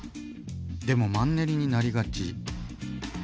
でもマンネリになりがち。